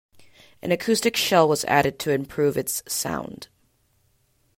An acoustic shell was added to improve its sound.